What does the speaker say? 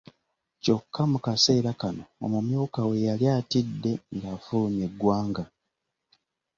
Kyokka mu kaseera kano omumyuka we yali atidde ng'afulumye eggwanga.